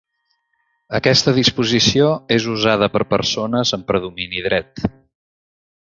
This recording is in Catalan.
Aquesta disposició és usada per persones amb predomini dret.